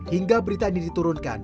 hingga berita ini diturunkan